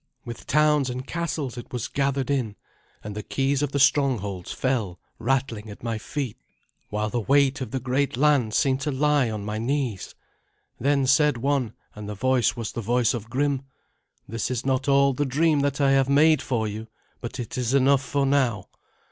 With towns and castles it was gathered in, and the keys of the strongholds fell rattling at my feet, while the weight of the great land seemed to lie on my knees. Then said one, and the voice was the voice of Grim, 'This is not all the dream that I have made for you, but it is enough for now.'